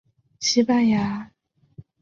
西班牙是伊比利亚半岛的罗马名。